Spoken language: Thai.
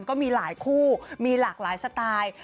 ก็มีหลายคู่มีหลากหลายสไตล์